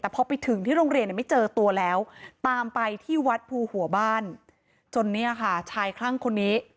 แต่พอไปถึงที่โรงเรียนไม่เจอตัวแล้วตามไปที่วัดภูหัวบ้านจนเนี่ยค่ะชายคลั่งคนนี้